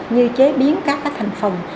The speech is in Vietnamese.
như chế biến các cái thành phần